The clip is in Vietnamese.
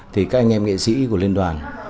thì các anh em nghệ sĩ của liên đoàn